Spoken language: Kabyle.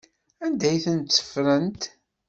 Anda ay tt-ffrent?